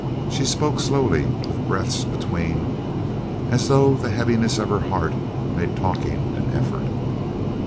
She spoke slowly with breaths between, as though the heaviness of her heart made talking an effort.